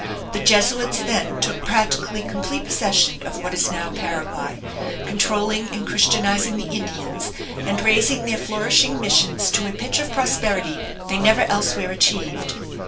The Jesuits then took practically complete possession of what is now Paraguay, controlling and Christianizing the Indians, and raising their flourishing missions to a pitch of prosperity they never elsewhere achieved.